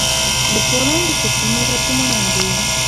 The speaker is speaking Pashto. لیکوالان د فکرونو ترجمانان دي.